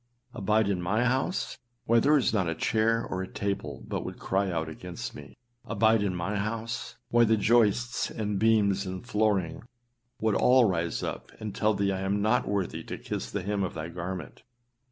Abide in my house! why there is not a chair or a table but would cry out against me. Abide in my house! why the joists and beams and flooring would all rise up and tell thee that 1 am not worthy to kiss the hem of thy garment.